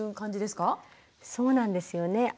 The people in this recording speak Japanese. そうなんですよね。